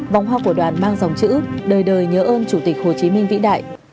vòng hoa của đoàn mang dòng chữ đời đời nhớ ơn chủ tịch hồ chí minh vĩ đại